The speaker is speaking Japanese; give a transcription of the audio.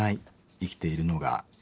生きているのが嫌。